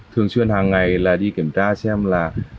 thường xuyên hàng ngày là đi kiểm tra xem là